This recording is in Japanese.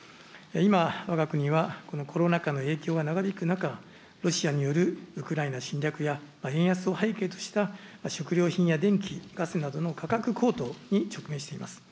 今、わが国は、コロナ禍の影響が長引く中、ロシアによるウクライナ侵略や、円安を背景とした、食料品や電気・ガスなどの価格高騰に直面しています。